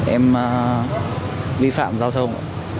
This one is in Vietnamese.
em vi phạm giao thông